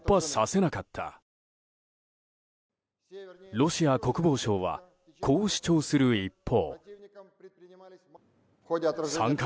ロシア国防省はこう主張する一方。